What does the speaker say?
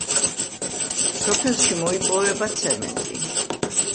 სოფელში მოიპოვება ცემენტი.